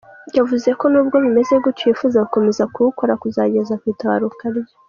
Yavuze ko nubwo bimeze gutyo yifuza gukomeza kuwukora kuzageza ku itabaruka rye.